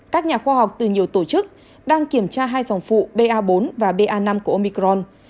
các nhà khoa học từ nhiều tổ chức đang kiểm tra hai dòng phụ ba bốn và ba năm của omicron